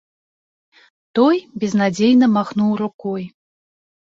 Той безнадзейна махнуў рукой.